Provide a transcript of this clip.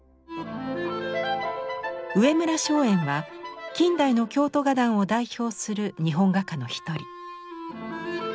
上村松園は近代の京都画壇を代表する日本画家の一人。